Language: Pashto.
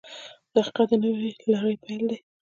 • دقیقه د نوې لارې پیل دی.